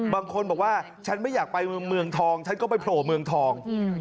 บางคนบอกว่าฉันไม่อยากไปเมืองทองฉันก็ไปโผล่เมืองทอง